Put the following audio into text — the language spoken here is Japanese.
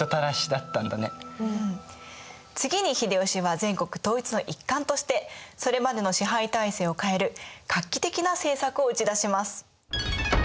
次に秀吉は全国統一の一環としてそれまでの支配体制を変える画期的な政策を打ち出します。